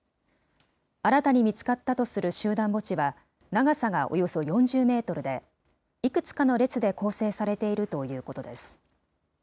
新たに見つかったとする集団墓地は、長さがおよそ４０メートルで、いくつかの列で構成されているということです。